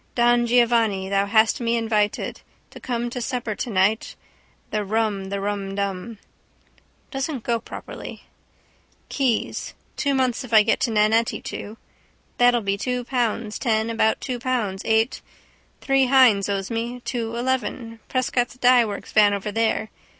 Don Giovanni, thou hast me invited To come to supper tonight, The rum the rumdum. Doesn't go properly. Keyes: two months if I get Nannetti to. That'll be two pounds ten about two pounds eight. Three Hynes owes me. Two eleven. Prescott's dyeworks van over there.